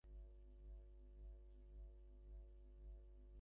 মা সকলের মধ্য দিয়েই আপনাকে অভিব্যক্ত করছেন।